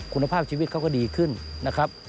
คุณภาพชีวิตเขาก็ดีขึ้นนะครับ